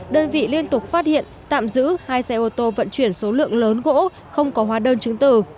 đơn vị liên tục phát hiện tạm giữ hai xe ô tô vận chuyển số lượng lớn gỗ không có hóa đơn chứng từ